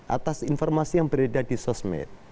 atas informasi yang beredar di sosmed